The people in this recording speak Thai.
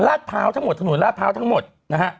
ราชเผาทั้งหมดถนนราชเผาทั้งหมดนะฮะ